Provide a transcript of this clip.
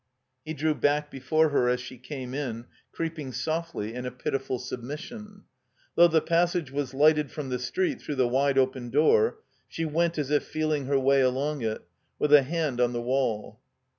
He drew back before her as she came in, creeping softly in a pitiful submisaon. Though the passage was lighted from the street through the wide open door, she went as if feeling her way along it, with a hand on the wall.